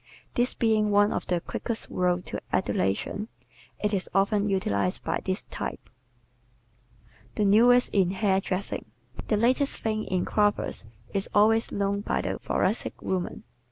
This being one of the quickest roads to adulation, it is often utilized by this type. The Newest in Hairdressing ¶ The latest thing in coiffures is always known by the Thoracic woman.